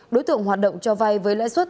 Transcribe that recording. đối tượng hoạt động cho vai với lãi suất